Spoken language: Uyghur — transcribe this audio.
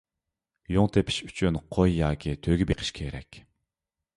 يۇڭ تېپىش ئۈچۈن قوي ياكى تۆگە بېقىش كېرەك.